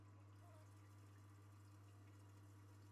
ini katika nafasi hiyo tayari unakua